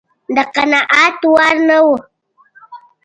د قناعت وړ نه و.